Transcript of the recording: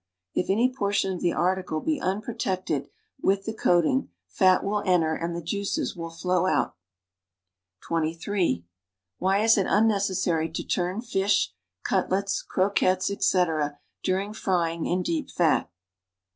If any portion of the article be unprotected with the coat ing, fat will enter and the juices will flow out. (23) Why is it unnecessary to turn fish, cuUels, eroquelles, etc., during frying in deep fat? Ans.